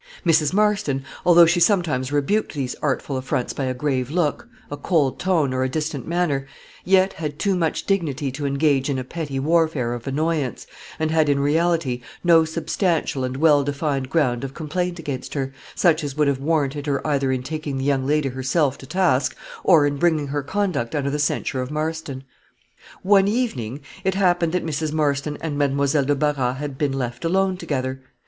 Mrs. Marston, although she sometimes rebuked these artful affronts by a grave look, a cold tone, or a distant manner, yet had too much dignity to engage in a petty warfare of annoyance, and had, in reality, no substantial and well defined ground of complaint against her, such as would have warranted her either in taking the young lady herself to task, or in bringing her conduct under the censure of Marston. One evening, it happened that Mrs. Marston and Mademoiselle de Barras had been left alone together.